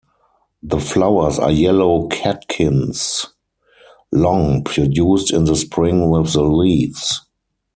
The flowers are yellow catkins, long, produced in the spring with the leaves.